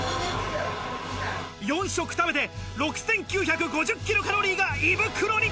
４食食べて、６９５０キロカロリーが胃袋に。